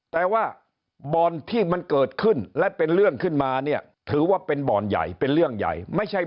แต่ว่าบ่อนที่มันเกิดขึ้นและเป็นเรื่องขึ้นมาเนี่ยถือว่าเป็นบ่อนใหญ่เป็นเรื่องใหญ่ไม่ใช่